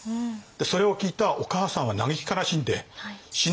それを聞いたお母さんは嘆き悲しんで死んでしまったっていう。